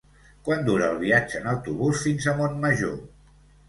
Quant dura el viatge en autobús fins a Montmajor?